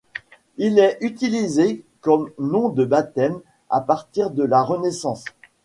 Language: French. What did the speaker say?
Il est utilisé comme nom de baptême à partir de la Renaissance.